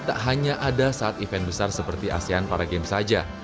tak hanya ada saat event besar seperti asean para games saja